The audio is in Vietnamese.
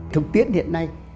thực tiễn hiện nay